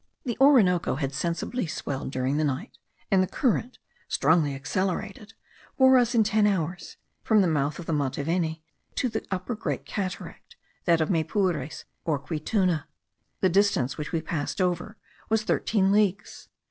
The Orinoco had sensibly swelled during the night; and the current, strongly accelerated, bore us, in ten hours, from the mouth of the Mataveni to the Upper Great Cataract, that of Maypures, or Quituna. The distance which we passed over was thirteen leagues.